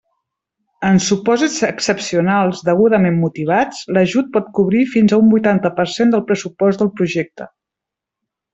En supòsits excepcionals degudament motivats, l'ajut pot cobrir fins a un vuitanta per cent del pressupost del projecte.